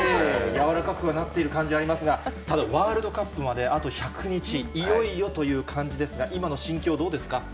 柔らかくはなっている感じはありますが、ただ、ワールドカップまであと１００日、いよいよという感じですが、今の心境、どうですか。